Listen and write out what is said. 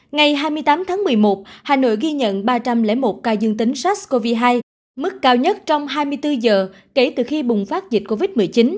ngày hai mươi tám tháng một mươi một hà nội ghi nhận ba trăm linh một ca dương tính sars cov hai mức cao nhất trong hai mươi bốn giờ kể từ khi bùng phát dịch covid một mươi chín